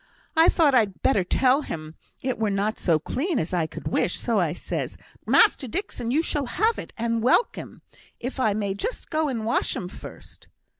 I thought I'd better tell him it were not so clean as I could wish, so says I, 'Master Dixon, you shall have it, and welcome, if I may just go and wash 'em first.'